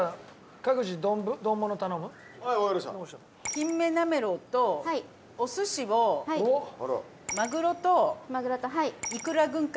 金目なめろうとお寿司をマグロといくら軍艦。